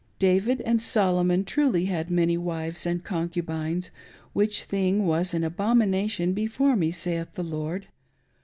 "David and Solomon truly had many wives and concubines, which thing wai~ an abomination before me saith the Lord.